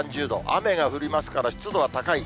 雨が降りますから、湿度は高い。